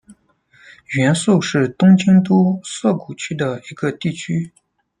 原宿是东京都涩谷区的一个地区。